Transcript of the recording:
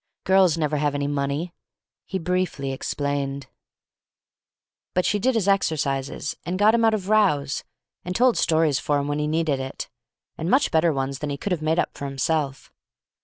"Girls never have any money," he briefly explained. "But she did his exercises and got him out of rows, and told stories for him when he needed it and much better ones than he could have made up for himself.